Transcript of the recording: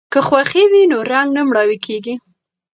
که خوښي وي نو رنګ نه مړاوی کیږي.